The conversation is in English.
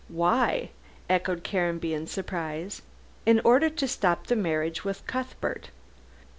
"Why?" echoed Caranby in surprise, "in order to stop the marriage with Cuthbert.